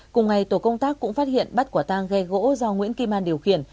cùng ngày tổ công tác cũng phát hiện bắt quả tang ghe gỗ do nguyễn kim an điều khiển